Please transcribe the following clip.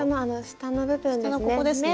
下のここですね？